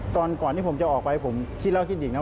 ก่อนที่ผมจะออกไปผมคิดแล้วคิดอีกนะ